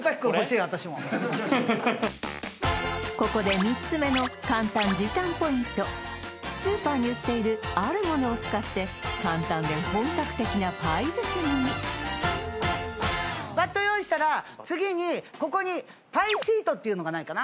ここで３つ目の簡単時短ポイントスーパーに売っているあるものを使って簡単で本格的なパイ包みにバット用意したら次にここにパイシートっていうのがないかな？